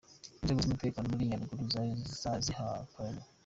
Inzego z'umutekano muri Nyaruguru zari zihagarariwe.